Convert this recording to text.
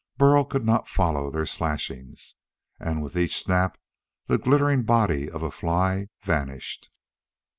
Burl could not follow their slashings. And with each snap the glittering body of a fly vanished.